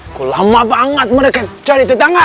kok lama banget mereka cari tetangga